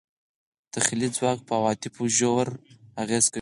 تخیلي ځواک په عواطفو ژور اغېز کوي.